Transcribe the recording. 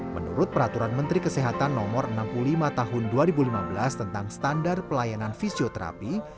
menurut peraturan menteri kesehatan no enam puluh lima tahun dua ribu lima belas tentang standar pelayanan fisioterapi